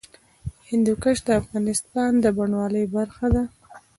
هندوکش د افغانستان د بڼوالۍ برخه ده.